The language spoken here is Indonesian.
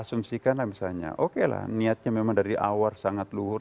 asumsikanlah misalnya oke lah niatnya memang dari awal sangat luhur